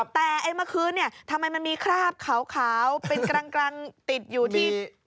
แต่ไอ้มาคืนทำไมมันมีคราบขาวเป็นกลางติดอยู่ที่กางเกงใน